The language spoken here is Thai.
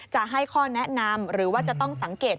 จะให้ข้อแนะนำหรือว่าจะต้องสังเกต